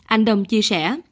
anh đồng chia sẻ